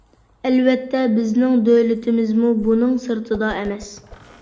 ئەلۋەتتە بىزنىڭ دۆلىتىمىزمۇ بۇنىڭ سىرتىدا ئەمەس.